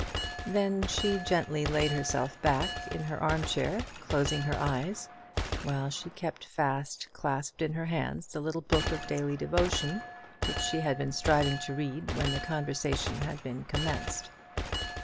Then she gently laid herself back in her arm chair, closing her eyes, while she kept fast clasped in her hands the little book of daily devotion which she had been striving to read when the conversation had been commenced.